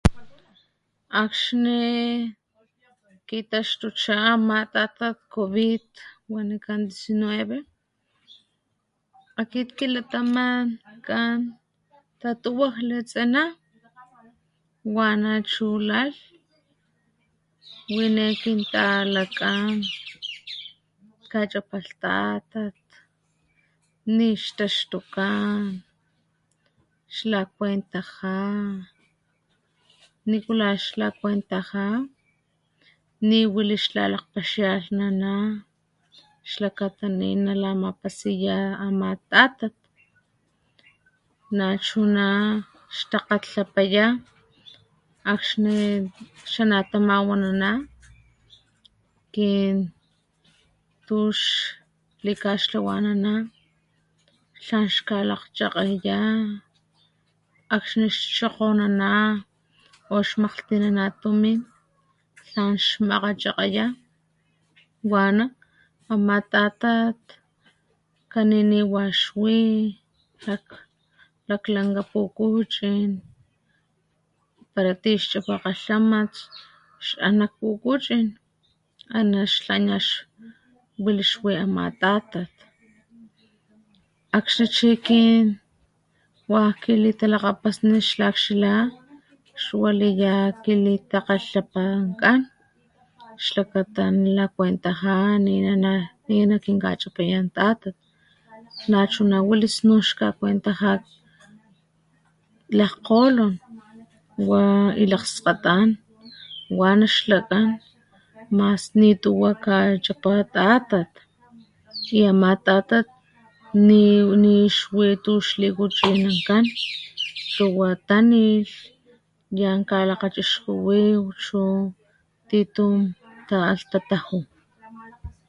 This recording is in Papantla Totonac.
Akxni kitaxtucha nama tatat wanikan ama covid 19 akit kilatamatkan tatuwajli tsena wana chu lalh wine kintalakan kachapalh tatat nixtaxtukan xlakuentaja nikula xlakuentaja ni wili xla lakgpaxialhnana xlakata ninala mapasiya ama tatat nachuna xtakgalhlhapaya akxni ix ana tamawanana kin tux likaxlhawanana tlan xkalakgchakgeya akxni ix xokgonana o xmakglhtinana tumin tlan xmakgachakgaya wana ama tatat kaniniwa ix wi laklanka pukuchin para tixchapa kgalhamat ix an nak pukuchin ana wili ix wi ama tatat akxni chi kin wakg kilitalakgapasni xlakxila xwaliya kilitakgalhlhapan xlakata nala kuentaja ninakinkachapayan tatat nachuna wili snun kakuentaja lakgkgolon wa y lakgskgatan wana xlakgan mas nituwa kachapa tata y ama tatat nixwi nitu ix likuchinankan tanilh yan kalakgachixkuwiw chu titun ta´alh ta taju